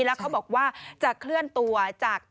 แล้วเขาบอกว่าจะเคลื่อนตัวจาก